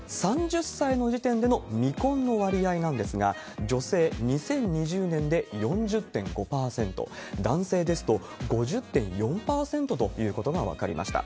３０歳の時点での未婚の割合なんですが、女性、２０２０年で４０．５％、男性ですと５０．４％ということが分かりました。